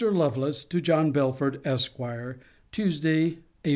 LOVELACE, TO JOHN BELFORD, ESQ. TUESDAY, APR.